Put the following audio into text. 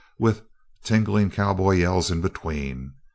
With tingling cowboy yells in between.